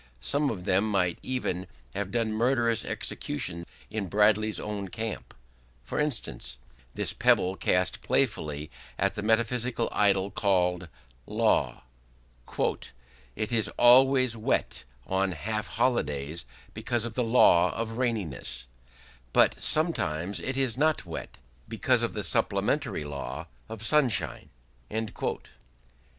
Some of them might even have done murderous execution in Bradley's own camp: for instance, this pebble cast playfully at the metaphysical idol called "Law": "It is always wet on half holidays because of the Law of Raininess, but sometimes it is not wet, because of the Supplementary Law of Sunshine".